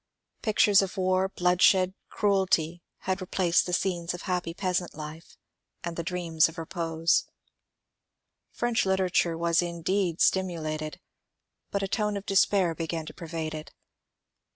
Pictures of war, bloodshed, cruelty had replaced the scenes of happy peasant life and the dreams of repose. French literature was indeed stimu lated, but a tone of despair began to pervade it.